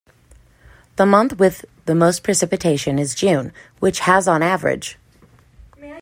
The month with the most precipitation is June, which has on average.